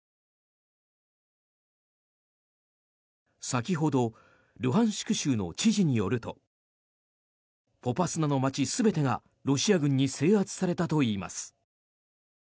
先ほどルハンシク州の知事によるとポパスナの街全てがロシア軍に制圧されたといいます。